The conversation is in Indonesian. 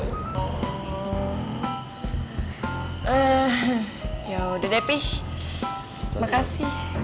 eee yaudah deh pi makasih